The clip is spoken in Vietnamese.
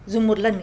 dùng một lần